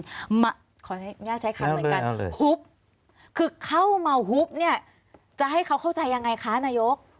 ขออนุญาตใช้คำเหมือนกันฮุบคือเข้ามาฮุบเนี่ยจะให้เขาเข้าใจยังไงคะนายก